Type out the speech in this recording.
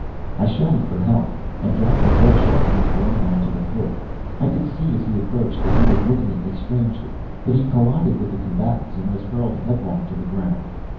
I shouted for help, and Gaffer Bedshaw came running into the court. I could see, as he approached, that he was looking at me strangely, but he collided with the combatants and was hurled headlong to the ground.